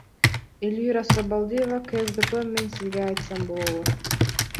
Элвира Сурабалдиева, КСДП Мен сизге айтсам болобу?